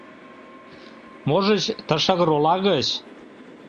Можыч, ты шыгыр ола гыч